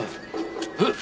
えっ？